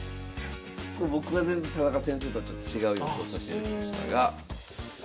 僕は田中先生とはちょっと違う予想さしていただきましたが。